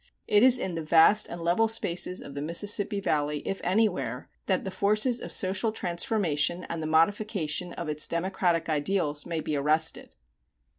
It is in the vast and level spaces of the Mississippi Valley, if anywhere, that the forces of social transformation and the modification of its democratic ideals may be arrested.